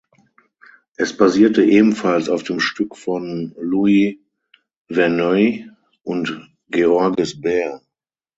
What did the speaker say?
Es basierte ebenfalls auf dem Stück von Louis Verneuil und Georges Berr.